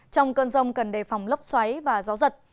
trong cơn rông cần đề phòng lốc xoáy và gió giật